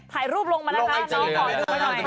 ถ่ายรูปลงมาแล้วนะน้องก่อน